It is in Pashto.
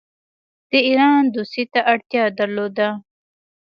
د ایران دوستی ته اړتیا درلوده.